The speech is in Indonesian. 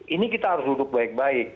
ini kita harus duduk baik baik